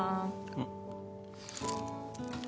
うん？